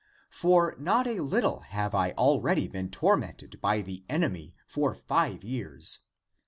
For not a little have I already been tormented by the enemy for five years.